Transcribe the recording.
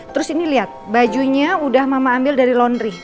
terus ini lihat bajunya udah mama ambil dari laundry